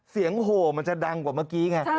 โหมันจะดังกว่าเมื่อกี้ไง